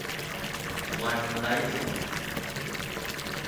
วันไร้สมอง